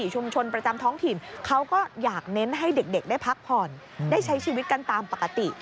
ให้เด็กได้พักผ่อนได้ใช้ชีวิตกันตามปกติ